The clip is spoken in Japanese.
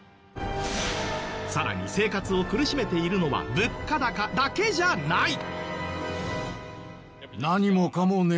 さらに生活を苦しめているのは物価高だけじゃない。